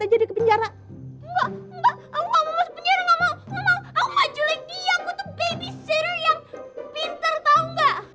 hah jelasin aja tuh